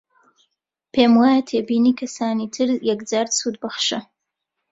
پێم وایە تێبینی کەسانی تر یەکجار سوودبەخشە